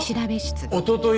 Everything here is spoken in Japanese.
おととい